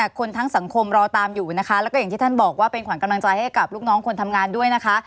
คนทั้งสังคมรอตามอยู่นะคะแล้วก็อย่างที่ท่านบอกว่าเป็นขวัญกำลังใจให้กับลูกน้องคนทำงานด้วยนะคะ